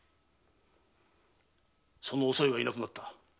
そのおさよがいなくなった。